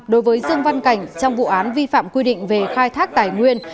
đối với dương văn cảnh trong vụ án vi phạm quy định về khai thác tài nguyên